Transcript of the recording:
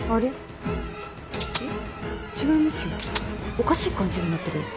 おかしい感じになってるよ。